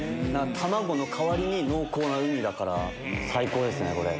卵の代わりに濃厚なウニだから最高ですねこれ。